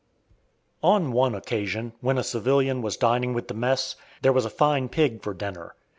On one occasion, when a civilian was dining with the mess, there was a fine pig for dinner.